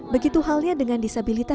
begitu halnya dengan disabilitas